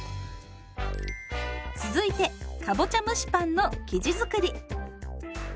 続いてかぼちゃ蒸しパンの生地作り。